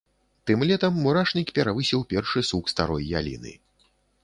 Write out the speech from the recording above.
Тым летам мурашнік перавысіў першы сук старой яліны.